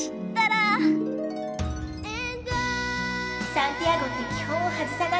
サンティアゴって基本を外さない男なのね。